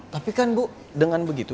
tapi kan bu dengan begitu